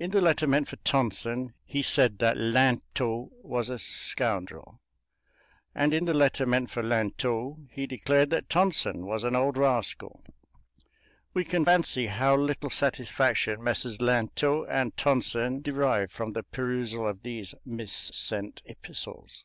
In the letter meant for Tonson, he said that Lintot was a scoundrel, and in the letter meant for Lintot he declared that Tonson was an old rascal. We can fancy how little satisfaction Messrs. Lintot and Tonson derived from the perusal of these missent epistles.